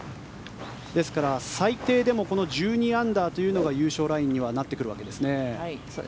ですから最低でもこの１２アンダーというのが優勝ラインになってくるわけですね。